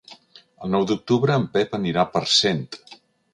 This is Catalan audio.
El nou d'octubre en Pep anirà a Parcent.